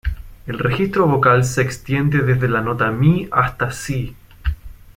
El registro vocal se extiende desde la nota "mi" hasta "si".